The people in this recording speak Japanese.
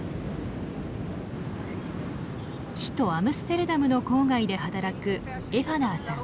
首都アムステルダムの郊外で働くエファナーさん。